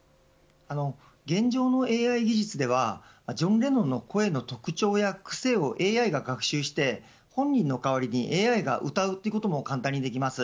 現状のＡＩ技術ではジョン・レノンの声の特徴やくせをＡＩが学習して本人の代わりにＡＩが歌うということも簡単にできます。